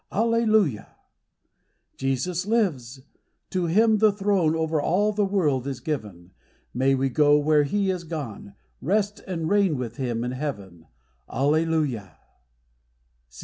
Alleluia ! Jesus lives : to Him the throne Over all the world is given : May we go where He is gone, Rest and reign with Him in heaven. Alleluia